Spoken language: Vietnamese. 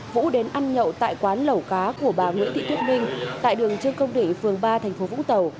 vũ đến ăn nhậu tại quán lẩu cá của bà nguyễn thị thuất minh tại đường trương công đỉ phường ba thành phố vũ tàu